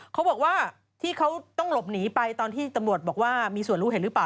เขาบอกว่าที่เขาต้องหลบหนีไปตอนที่ตำรวจบอกว่ามีส่วนรู้เห็นหรือเปล่า